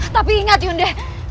tapi ingat yunde